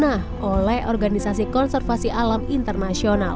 nah oleh organisasi konservasi alam internasional